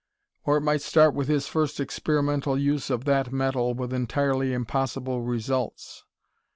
Or it might start with his first experimental use of that metal with entirely impossible results.